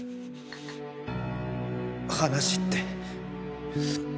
話って？